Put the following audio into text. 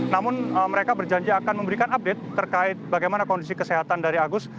namun mereka berjanji akan memberikan update terkait bagaimana kondisi kesehatan dari agus